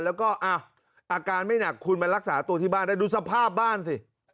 แล้วก็อาการไม่หนักคุณมารักษาตัวที่บ้านได้ดูสภาพบ้านสิ